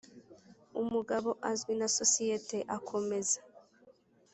umugabo azwi na sosiyete akomeza.